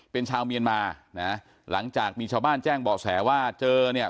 เป็นชาวเมียนมานะหลังจากมีชาวบ้านแจ้งเบาะแสว่าเจอเนี่ย